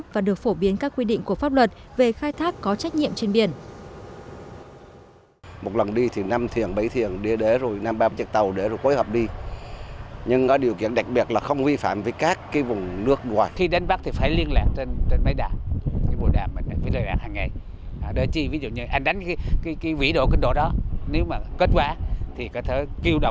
và được phổ biến các quy định của pháp luật về khai thác có trách nhiệm trên biển